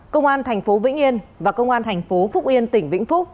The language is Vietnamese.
công an tp vĩnh yên và công an tp phúc yên tỉnh vĩnh phúc